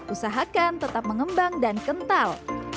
usahakan tetap mengembang dan kental